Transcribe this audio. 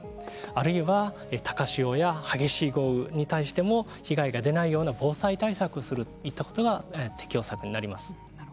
あるいは高潮や激しい豪雨に対しても被害が出ないような防災対策をするといったことが適応策になります。